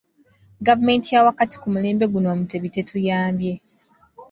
Gavumenti yawakati ku mulembe guno Omutebi tetuyambye.